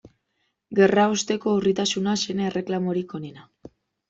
Gerraosteko urritasuna zen erreklamorik onena.